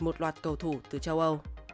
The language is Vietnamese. một loạt cầu thủ từ châu âu